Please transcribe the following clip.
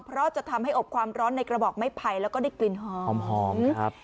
เพราะจะทำให้อบความร้อนในกระบอกไม้ไผ่แล้วก็ได้กลิ่นหอมครับ